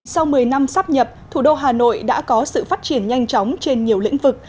sau một mươi năm sắp nhập thủ đô hà nội đã có sự phát triển nhanh chóng trên nhiều lĩnh vực